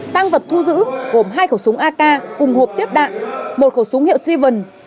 tăng vật thu giữ gồm hai khẩu súng ak cùng hộp tiếp đạn một khẩu súng hiệu seaven